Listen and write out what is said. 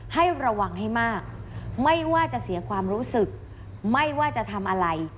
ให้ระวังให้มากไม่ว่าจะเสียความรู้สึกไม่ว่าจะทำอะไร